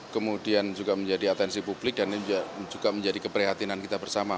kemudian juga menjadi atensi publik dan ini juga menjadi keprihatinan kita bersama